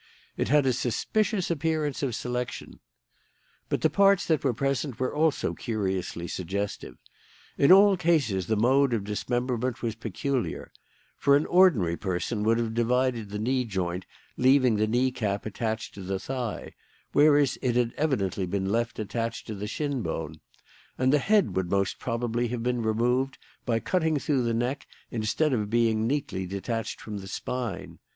"It had a suspicious appearance of selection. "But the parts that were present were also curiously suggestive. In all cases the mode of dismemberment was peculiar; for an ordinary person would have divided the knee joint leaving the knee cap attached to the thigh, whereas it had evidently been left attached to the shin bone; and the head would most probably have been removed by cutting through the neck instead of being neatly detached from the spine.